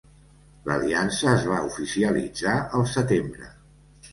L'aliança es va oficialitzar al setembre.